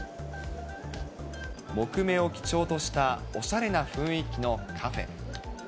木目を基調としたおしゃれな雰囲気のカフェ。